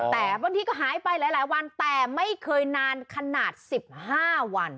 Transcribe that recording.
แต่บางทีก็หายไปหลายวันแต่ไม่เคยนานขนาด๑๕วัน